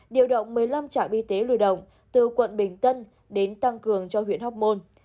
điều động một mươi năm trạm y tế lưu động từ quận bình tân đến tăng cường cho huyện hóc môn